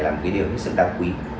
là một cái điều rất là đáng quý